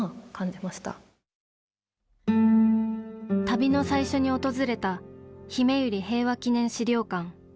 旅の最初に訪れたひめゆり平和祈念資料館。